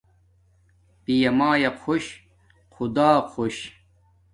پیا میا خوش خدا خوش